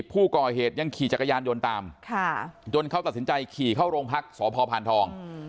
ผู้ก่อเหตุยังขี่จักรยานยนต์ตามจนเขาตัดสินใจขี่เข้าโรงพักสพพานทอง